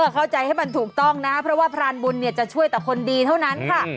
เข้าใจให้มันถูกต้องนะเพราะว่าพรานบุญจะช่วยแต่คนดีเท่านั้นค่ะ